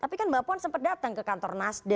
tapi kan mbak puan sempat datang ke kantor nasdem